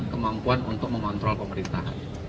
kemampuan untuk memontrol pemerintahan